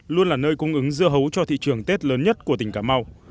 luôn là nơi cung ứng dưa hấu cho thị trường tết lớn nhất của tỉnh cà mau